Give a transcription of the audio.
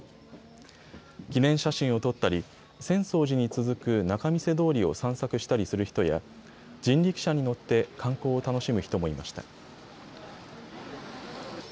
記念写真を撮ったり浅草寺に続く仲見世通りを散策したりする人や人力車に乗って観光を楽しむ人もいました。